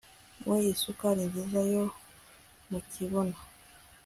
mu isukari nziza yo mu kibuno